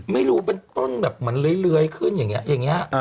ไม่รู้เป็นต้นเหมือนขึ้นอย่างนี้